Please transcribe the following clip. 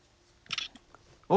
お！